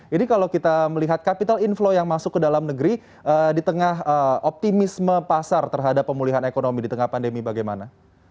jadi kalau kita melihat capital inflow yang masuk ke dalam negeri di tengah optimisme pasar terhadap pemulihan ekonomi di tengah pandemi bagaimana